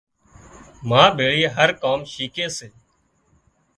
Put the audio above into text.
ما ڀيۯي هر ڪام شِيکي سي